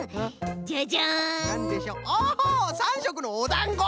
お３しょくのおだんご！